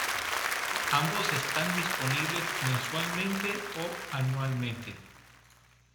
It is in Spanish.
Ambos están disponibles mensualmente o anualmente..